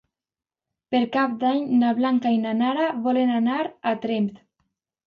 Per Cap d'Any na Blanca i na Nara volen anar a Tremp.